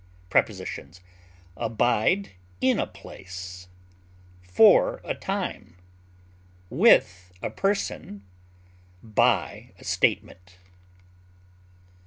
Prepositions: Abide in a place, for a time, with a person, by a statement.